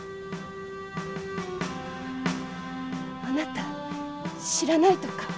あなた知らないとか？